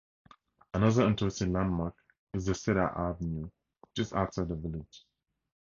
Another interesting landmark is the cedar avenue, just outside the village.